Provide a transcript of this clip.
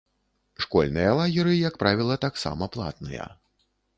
Школьныя лагеры, як правіла, таксама платныя.